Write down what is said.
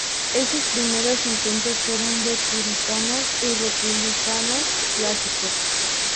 Esos primeros intentos fueron de puritanos y republicanos clásicos.